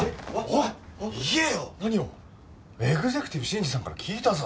エグゼクティブ真二さんから聞いたぞ。